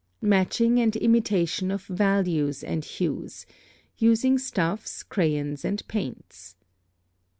Matching and imitation of values and hues (using stuffs, crayons, and paints).